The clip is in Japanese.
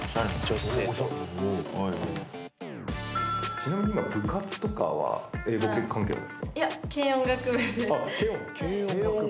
ちなみに今部活とかは英語関係なんですか？